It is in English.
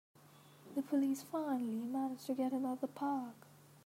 The police finally manage to get him out of the park!